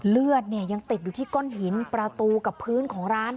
เลือดเนี่ยยังติดอยู่ที่ก้นหินประตูกับพื้นของร้าน